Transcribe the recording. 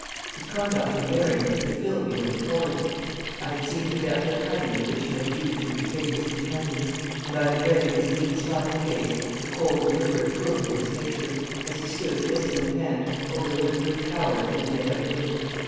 His conduct and bearing had filled me with abhorrence. I had seen the depth of cunning with which he had duped and betrayed his companions, and I had read in his lean smiling face the cold deliberate cruelty of his nature, as he stood, pistol in hand, over the whimpering coward whom he had outwitted.